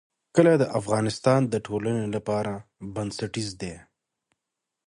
کلي د افغانستان د ټولنې لپاره بنسټیز دي.